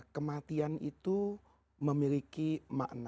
kematian itu memiliki makna